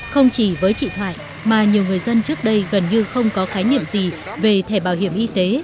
không chỉ với chị thoại mà nhiều người dân trước đây gần như không có khái niệm gì về thẻ bảo hiểm y tế